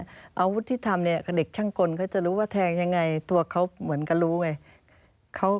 อาวุธที่ทำเนี่ยเด็กช่างกลเขาจะรู้ว่าแทงยังไงตัวเขาเหมือนกันรู้ไง